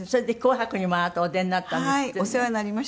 お世話になりました。